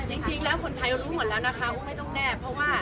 เราจะแนบรักฐานเธอให้ผลตอบด้วยครับ